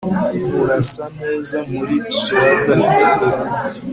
Urasa neza muri swater itukura